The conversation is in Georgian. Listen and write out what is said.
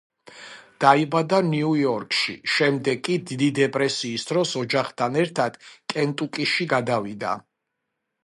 დაიბადა ნიუ-იორკში, შემდეგ კი დიდი დეპრესიის დროს ოჯახთან ერთად კენტუკიში გადავიდა.